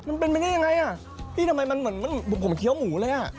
มันเป็นไปได้ยังไงอ่ะพี่ทำไมมันเหมือนผมเคี้ยวหมูเลยอ่ะ